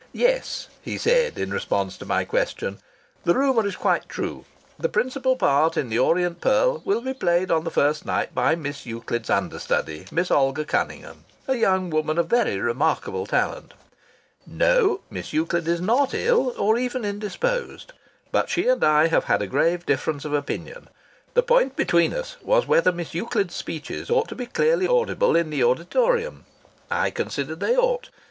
"Yes," he said in response to my question, "the rumour is quite true. The principal part in 'The Orient Pearl' will be played on the first night by Miss Euclid's understudy, Miss Olga Cunningham, a young woman of very remarkable talent. No, Miss Euclid is not ill or even indisposed. But she and I have had a grave difference of opinion. The point between us was whether Miss Euclid's speeches ought to be clearly audible in the auditorium. I considered they ought.